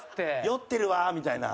「酔ってるわ」みたいな。